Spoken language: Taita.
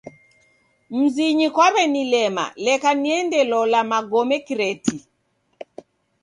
Mzinyi kwanilema leka niendelola magome kireti.